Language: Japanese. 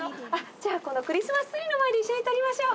じゃあこのクリスマスツリーの前で一緒に撮りましょう。